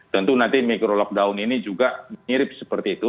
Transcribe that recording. tentu nanti mikro lockdown ini juga mirip seperti itu